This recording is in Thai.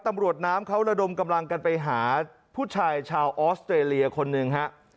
ตำรวจน้ำเขาระดมกำลังกันไปหาผู้ชายชาวออสเตรเลียคนหนึ่งฮะ